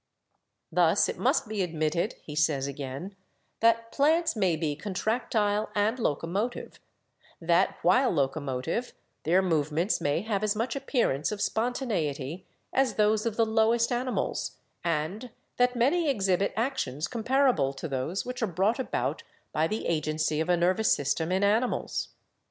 "Thus it must be admitted," he says again, "that plants may be contractile and locomotive; that, while locomotive, their movements may have as much appearance of spon taneity as those of the lowest animals, and that many ex hibit actions comparable to those which are brought about by the agency of a nervous system in animals.